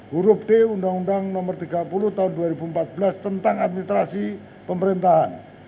huruf d undang undang nomor tiga puluh tahun dua ribu empat belas tentang administrasi pemerintahan